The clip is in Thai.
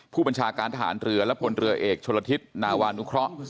ผู้บัญชาการทหารเรือและพลเรือเอกชนลทิศนาวานุเคราะห์